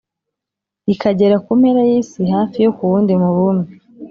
Rikagera ku mpera y`isi hafi yokuwundi mubumbe